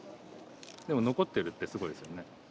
でも残ってるってすごいですよね。